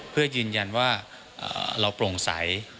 เพราะว่าเราโปร่งใส